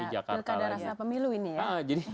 sudah kayak pilkada rasa pemilu ini ya